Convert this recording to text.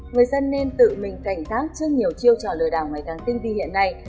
người dân nên tự mình cảnh tác trước nhiều chiêu trò lừa đảo mấy tháng tinh vi hiện nay